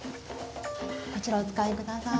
こちらお使い下さい。